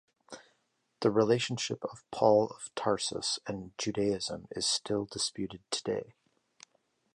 The relationship of Paul of Tarsus and Judaism is still disputed today.